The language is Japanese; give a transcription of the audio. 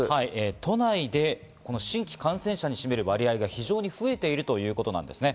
都内で新規感染者を占める割合が増えているということなんです。